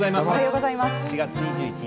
４月２１日